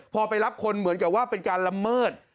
พอไปรับคนเหมือนกับว่าเป็นการละเมิด